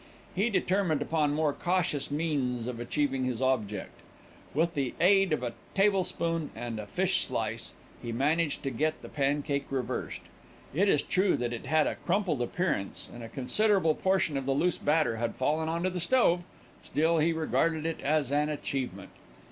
He determined upon more cautious means of achieving his object. With the aid of a tablespoon and a fish slice, he managed to get the pancake reversed. It is true that it had a crumpled appearance, and a considerable portion of the loose batter had fallen on to the stove; still he regarded it as an achievement.